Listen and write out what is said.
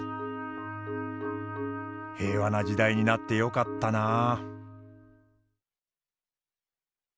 平和な時代になってよかったなあ。